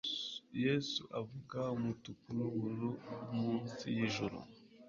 Yesu avuga umutuku nubururu munsi yijuru